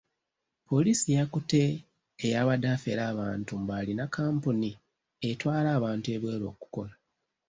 Poliisi yakutte eyabadde affera abantu mbu alina kampuni etwala abantu ebweru okukola.